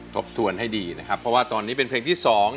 ทบทวนให้ดีนะครับเพราะว่าตอนนี้เป็นเพลงที่๒